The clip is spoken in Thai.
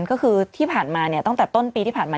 ก็คือที่ผ่านมาตั้งแต่ต้นปีที่ผ่านมา